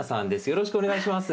よろしくお願いします。